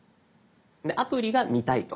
アプリが見たいと。